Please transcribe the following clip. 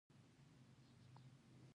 بېرون راووتو.